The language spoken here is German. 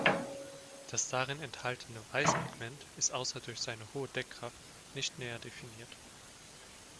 Das darin enthaltene Weißpigment ist außer durch seine hohe Deckkraft nicht näher definiert.